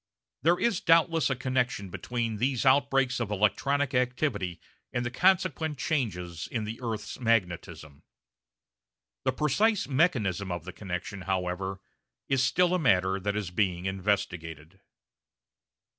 There is doubtless a connection between these outbreaks of electronic activity and the consequent changes in the earth's magnetism. The precise mechanism of the connection, however, is still a matter that is being investigated.